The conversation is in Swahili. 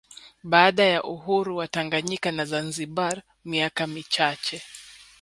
Baada ya uhuru wa Tanganyika na Zanzibar miaka michache